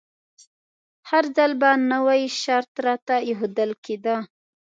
هر ځل به نوی شرط راته ایښودل کیده.